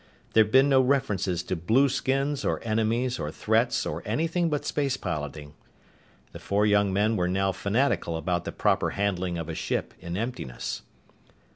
There'd been no reference to blueskins or enemies or threats or anything but space piloting. The four young men were now fanatical about the proper handling of a ship in emptiness.